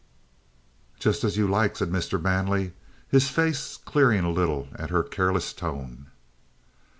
"Just as you like," said Mr. Manley, his face clearing a little at her careless tone.